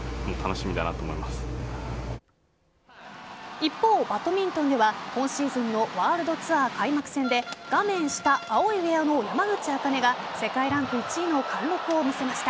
一方、バドミントンでは今シーズンのワールドツアー開幕戦で画面下、青いウエアの山口茜が世界ランク１位の貫禄を見せました。